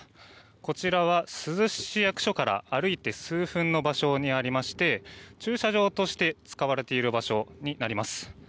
こちらは珠洲市役所から歩いて数分の場所にありまして駐車場として使われている場所になります。